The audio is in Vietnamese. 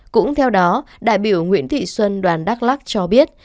cũng theo đó đại biểu nguyễn thị xuân đoàn đắk lắc cho biết